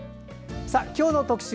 今日の特集